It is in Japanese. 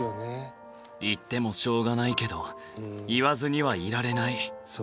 言ってもしょうがないけど言わずにはいられない。